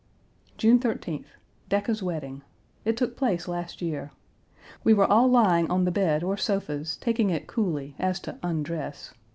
June 13th. Decca's wedding. It took place last year. We were all lying on the bed or sofas taking it coolly as to undress.